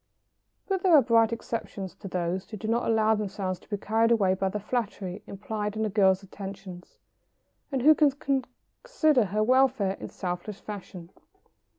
] But there are bright exceptions to these who do not allow themselves to be carried away by the flattery implied in a girl's attentions, and who can consider her welfare in selfless fashion.